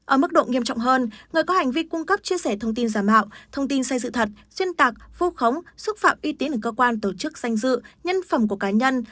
ở mức độ nghiêm trọng hơn người có hành vi cung cấp chia sẻ thông tin giả mạo thông tin sai sự thật xuyên tạc vô khống xúc phạm uy tín của cơ quan tổ chức danh dự nhân phẩm của cá nhân